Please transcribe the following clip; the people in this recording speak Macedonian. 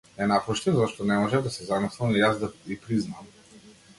Ја напуштив зашто не можев да си замислам и јас да и признаам.